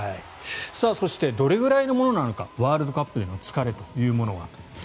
そしてどれぐらいのものなのかワールドカップでの疲れというものは。